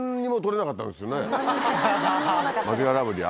マヂカルラブリー